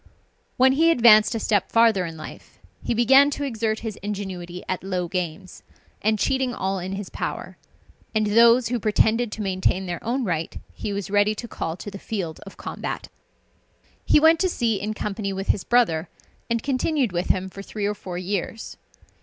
When he advanced a step farther in life, he began to exert his ingenuity at low games, and cheating all in his power; and those who pretended to maintain their own right, he was ready to call to the field of combat. He went to sea in company with his brother, and continued with him for three or four years.